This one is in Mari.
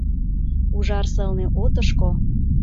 Ужар сылне отышко